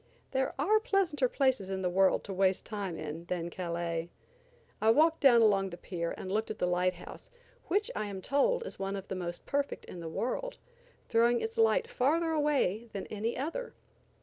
There are pleasanter places in the world to waste time in than Calais. I walked down along the pier and looked at the light house, which I am told is one of the most perfect in the world, throwing its light farther away than any other.